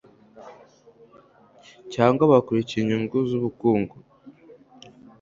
cyangwa bakurikiye inyungu z ubukungu